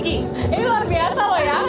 ini luar biasa loh ya